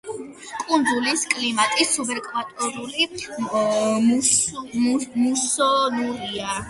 კუნძულის კლიმატი სუბეკვატორული მუსონურია.